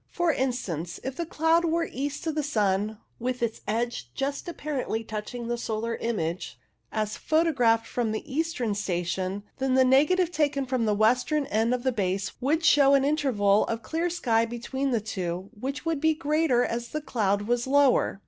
For instance, if the cloud were east of the sun, with its edge just apparently touching the solar image as photographed from the eastern station, then the negative taken from the western end of the base would show an interval of clear sky between the two, which would be greater as the cloud was lower.